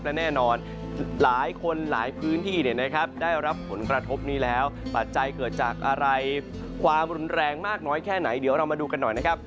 และแน่นอนหลายคนหลายพื้นที่ได้รับผลกระทบนี้แล้วปัจจัยเกิดจากอะไรความรุนแรงมากน้อยแค่ไหนเดี๋ยวเรามาดูกันหน่อยนะครับ